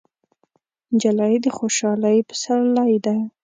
نجلۍ د خوشحالۍ پسرلی ده.